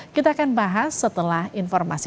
kita akan bahas setelah informasi